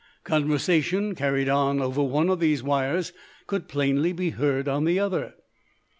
Conversation carried on over one of these wires could plainly be heard on the other.